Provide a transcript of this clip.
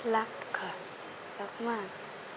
รักค่ะรักมาก